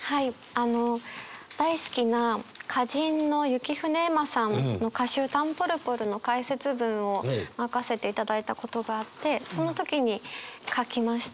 あの大好きな歌人の雪舟えまさんの歌集「たんぽるぽる」の解説文を任せていただいたことがあってその時に書きました。